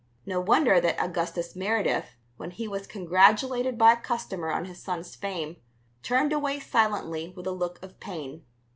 No wonder that Augustus Meredith, when he was congratulated by a customer on his son's fame, turned away silently with a look of pain.